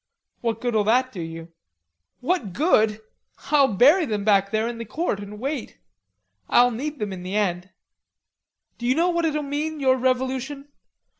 "What good'll that do you?" "What good? I'll bury them back there in the court and wait. I'll need them in the end. D'you know what it'll mean, your revolution?